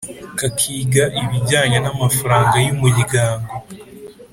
kakiga ibijyanye n amafaranga y umuryango